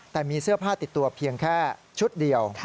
แต่มีเสื้อผ้าติดตัวเพียงแค่ชุดเดียว